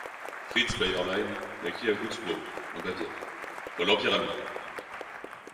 Fritz Bayerlein naquit à Wurtzbourg, en Bavière, dans l'Empire allemand.